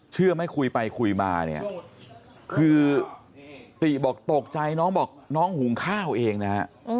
เชื่อไหมคุยไปคุยมาเนี่ยคือติบอกตกใจน้องบอกน้องหุงข้าวเองนะฮะ